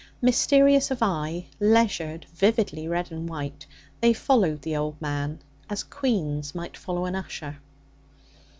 Mysterious of eye, leisured, vividly red and white, they followed the old man as queens might follow an usher.